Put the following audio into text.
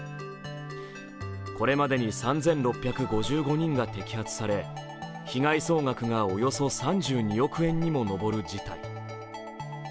これまでに３６５５人が摘発され被害総額がおよそ３２億円にも上る事態。